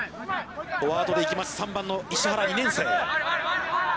フォワードで行きます、３番の石原、２年生。